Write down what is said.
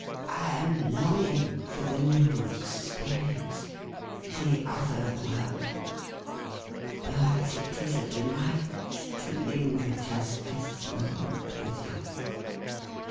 I am longing for the ^16 THE RIDDLE RING new experience — the other world ; but it is a delight to linger just this moment with you.